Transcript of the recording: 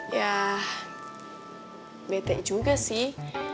ya bete juga sih